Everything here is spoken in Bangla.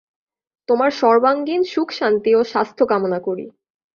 তোমার সর্বাঙ্গীণ সুখ শান্তি ও স্বাস্থ্য কামনা করি।